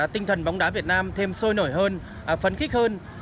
tinh thần bóng đá việt nam thêm sôi nổi hơn phấn khích hơn